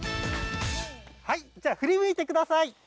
はいじゃあふり向いてください。